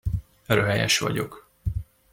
Röhejes vagyok.